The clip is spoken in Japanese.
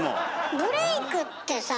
ブレイクってさあ。